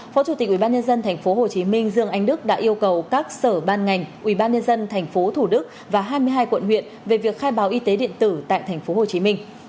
phó chủ tịch ubnd tp hcm dương anh đức đã yêu cầu các sở ban ngành ubnd tp thủ đức và hai mươi hai quận huyện về việc khai báo y tế điện tử tại tp hcm